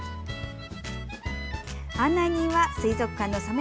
案内人は水族館のサメ